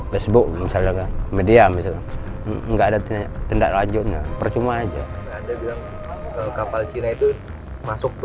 facebook misalnya media misal enggak ada tindak lanjutnya percuma aja kapal cina itu masuk ke